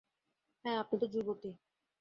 হ্যাঁ, আপনি তো যুবতী।